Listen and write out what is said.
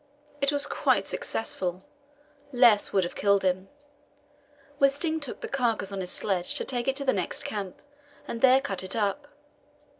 It was quite successful; less would have killed him. Wisting took the carcass on his sledge to take it to the next camp, and there cut it up.